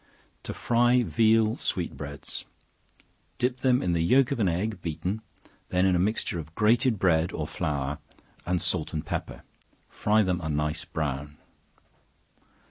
To Fry Veal Sweet Breads. Dip them in the yelk of an egg beaten, then in a mixture of grated bread, or flour and salt and pepper, fry them a nice brown.